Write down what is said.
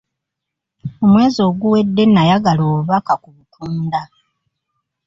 Omwezi oguwedde, nayagala obubaka ku butunda.